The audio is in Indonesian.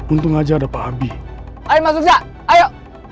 untuk aja ada pak abi ayo